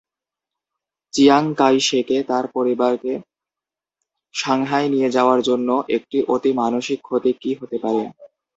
Chiang কাই-শেকে তার পরিবারকে সাংহাই নিয়ে যাওয়ার জন্য একটি অতি মানসিক ক্ষতি কি হতে পারে?